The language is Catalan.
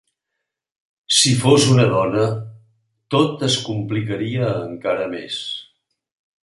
Si fos una dona tot es complicaria encara més.